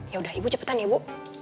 ya udah ibu cepetan ya bu